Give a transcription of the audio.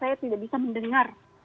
saya tidak bisa mendengar